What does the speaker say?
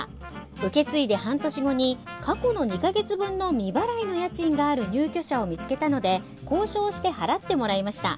受け継いで半年後に過去の２か月分の未払いの家賃がある入居者を見つけたので交渉して払ってもらいました。